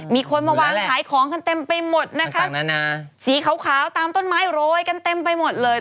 มีคนมาวางขายของกันเต็มไปหมดนะคะสีขาวตามต้นไม้โรยกันเต็มไปหมดเลย